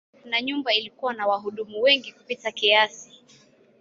Na nyumba ilikuwa na wahudumu wengi kupita kiasi.